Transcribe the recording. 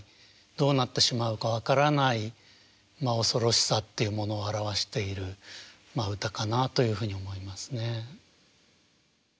どうなってしまうか分からない恐ろしさっていうものを表している歌かなというふうに思いますね。